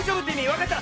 わかった！